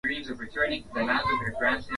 hata hivyo hariri amepinga vikali mpango huo